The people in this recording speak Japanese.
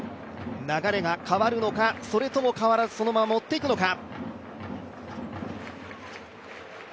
流れが変わるのか、それとも変わらずそのままもっていくのか。